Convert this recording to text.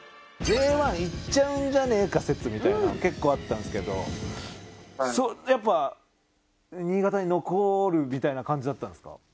Ｊ１いっちゃうんじゃねえか説みたいなの結構あったんですけどそれやっぱ新潟に残るみたいな感じだったんですか？